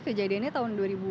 kejadiannya tahun tahun lalu